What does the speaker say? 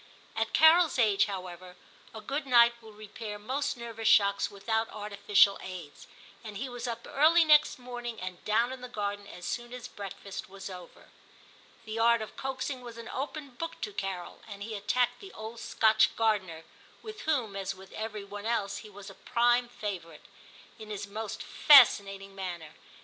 At Carol's age, however, a good night will repair most nervous shocks without artificial aids, and he was up early next morning, and down in the garden as soon as breakfast was over. The art of coaxing was an open book to Carol, and he attacked the old Scotch gardener, — with whom, as with every one else, he was a prime favourite, — in his most fascinating manner.